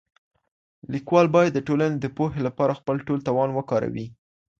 ليکوال بايد د ټولني د پوهي لپاره خپل ټول توان وکاروي.